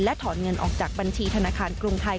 ถอนเงินออกจากบัญชีธนาคารกรุงไทย